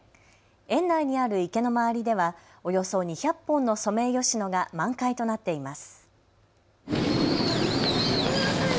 園内にある池の周りではおよそ２００本のソメイヨシノが満開となっています。